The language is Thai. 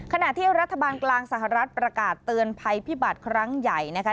ขณะที่รัฐบาลกลางสหรัฐประกาศเตือนภัยพิบัติครั้งใหญ่นะคะ